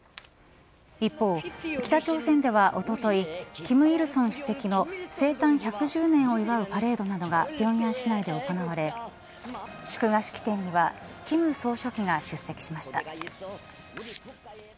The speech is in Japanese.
一方、北朝鮮では、おととい金日成主席の生誕１１０年を祝うパレードなどが平壌市内で行われ祝賀式典には金総書記が出席しました。